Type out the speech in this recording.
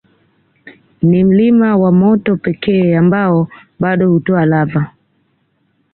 Ni mlima wa moto pekee ambao bado hutoa lava